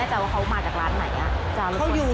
พอดีจะมาหาร้านของน้องที่